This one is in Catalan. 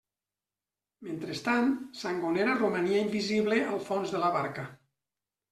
Mentrestant, Sangonera romania invisible al fons de la barca.